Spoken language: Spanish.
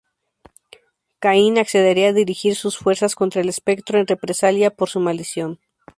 Caín accedería a dirigir sus fuerzas contra el Espectro en represalia por su maldición.